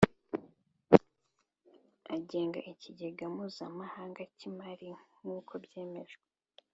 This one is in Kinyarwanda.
agenga Ikigega Mpuzamahanga cy Imari nk uko byemejwe